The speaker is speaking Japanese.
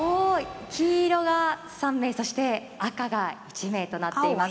黄色が３名そして赤が１名となっています。